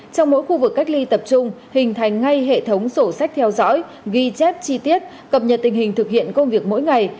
trong mỗi khu vực cách ly tập trung hình thành ngay hệ thống sổ sách theo dõi ghi chép chi tiết cập nhật tình hình thực hiện công việc mỗi ngày